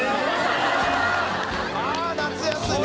『あ夏休み』。